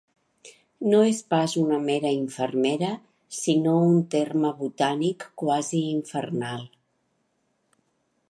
No és pas una mera infermera sinó un terme botànic quasi infernal.